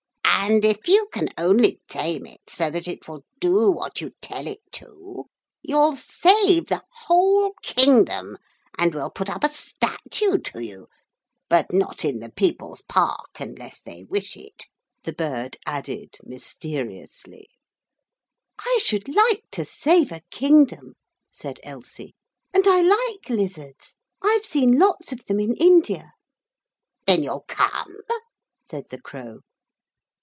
'And if you can only tame it so that it will do what you tell it to, you'll save the whole kingdom, and we'll put up a statue to you; but not in the People's Park, unless they wish it,' the bird added mysteriously. 'I should like to save a kingdom,' said Elsie, 'and I like lizards. I've seen lots of them in India.' 'Then you'll come?' said the Crow.